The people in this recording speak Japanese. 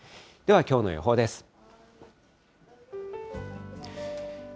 ではきょうの予報です。